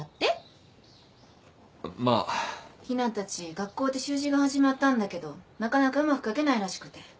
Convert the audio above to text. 学校で習字が始まったんだけどなかなかうまく書けないらしくて。